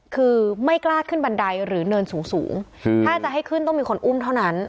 คือไม่กล้าขึ้นบันไดหรือเนินสูงถ้าจะให้ขึ้นต้องมีคนอุ้มเท่านั้น